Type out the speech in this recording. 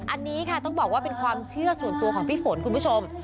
อันนี้ค่ะต้องบอกว่าเป็นความเชื่อส่วนตัวของพี่ฝนคุณผู้ชม